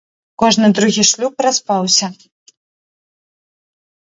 Кожны другі шлюб распаўся.